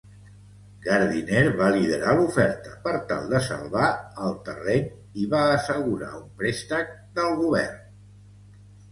Gardiner va liderar l'oferta per tal de salvar el terreny i va assegurar un prèstec del govern.